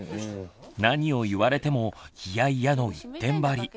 何を言われても「イヤイヤ」の一点張り。